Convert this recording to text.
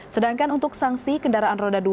sedangkan untuk sanksi kendaraan roda dua